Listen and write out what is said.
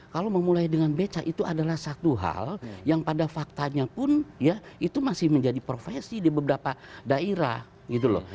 kalau memulai dengan beca itu adalah satu hal yang pada faktanya pun ya itu masih menjadi profesi di beberapa daerah gitu loh